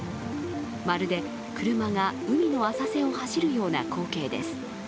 まるで車が海の浅瀬を走るような光景です。